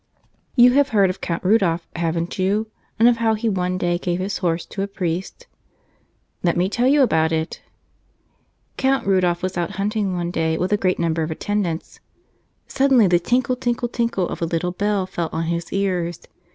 You have heard of Count Rudolph, haven't you, and of how he one day gave his horse to a priest? Let me tell you about it again. Count Rudolph was out hunting one day with a great number of attendants. Suddenly the tinkle, tinkle, tinkle of a little bell fell on his ears.